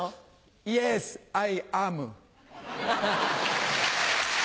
イエスアイアム。